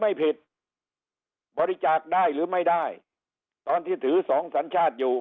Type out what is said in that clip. ไม่ผิดบริจาคได้หรือไม่ได้ตอนที่ถือสองสัญชาติอยู่